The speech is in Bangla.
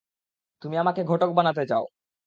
তুমি আমাকে ঘটক বানাতে চাও।